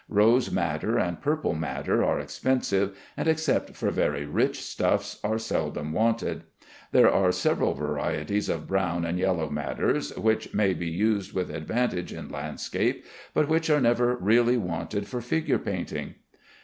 Rose madder and purple madder are expensive, and, except for very rich stuffs, are seldom wanted. There are several varieties of brown and yellow madders, which may be used with advantage in landscape, but which are never really wanted for figure painting.